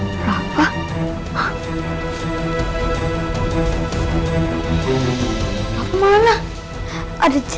jangan jangan rafa kenapa kenapa lagi